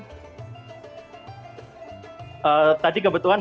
mas akmal masak sendiri masakan indonesia biasanya dengan apa mas bukanya